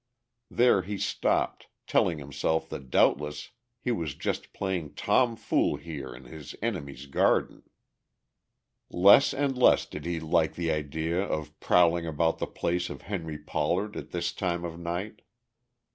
There he stopped, telling himself that doubtless he was just playing Tom fool here in his enemy's garden. Less and less did he like the idea of prowling about the place of Henry Pollard at this time of night.